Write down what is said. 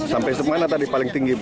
sampai mana tadi paling tinggi